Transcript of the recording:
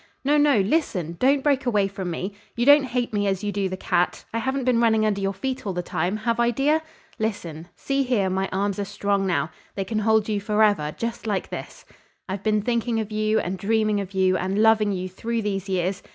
No, no! Listen! Don't break away from me. You don't hate me as you do the cat. I haven't been running under your feet all the time, have I, dear? Listen. See here, my arms are strong now. They can hold you forever, just like this. I've been thinking of you and dreaming of you and loving you through these years.